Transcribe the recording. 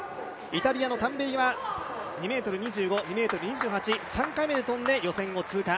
イタリアのタンベリは２ｍ２５、２ｍ２８、３回目で跳んで、予選を通過。